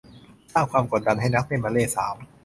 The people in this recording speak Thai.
สร้างความกดดันให้นักเต้นบัลเลต์สาว